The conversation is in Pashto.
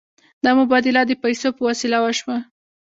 دا مبادله د پیسو په وسیله وشوه.